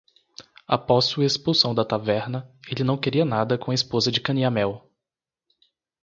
Após sua expulsão da taverna, ele não queria nada com a esposa de Canyamel.